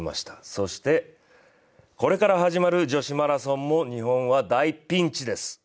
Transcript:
そして、これから始まる女子マラソンも日本は大ピンチです。